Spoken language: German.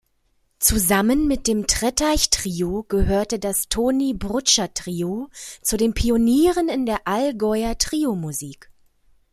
Zusammen mit dem Trettach-Trio gehörte das Toni-Brutscher-Trio zu den Pionieren in der Allgäuer Trio-Musik.